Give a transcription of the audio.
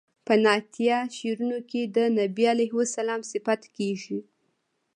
په نعتیه شعرونو کې د بني علیه السلام صفت کیږي.